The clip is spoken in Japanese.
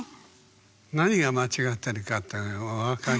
何が間違ってるかっていうのお分かり？